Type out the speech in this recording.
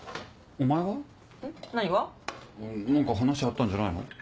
何か話あったんじゃないの？